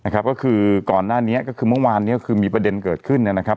ก็คือก่อนหน้านี้ก็คือเมื่อวานนี้คือมีประเด็นเกิดขึ้นนะครับ